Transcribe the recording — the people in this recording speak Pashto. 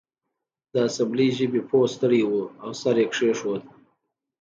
د اسامبلۍ ژبې پوه ستړی و او سر یې کیښود